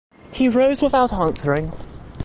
He rose without answering.